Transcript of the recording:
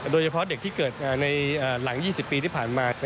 โดยเฉพาะเด็กที่เกิดในหลัง๒๐ปีที่ผ่านมา